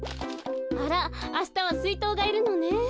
あらあしたはすいとうがいるのね。